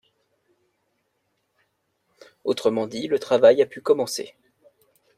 Autrement dit, le travail a pu commencer.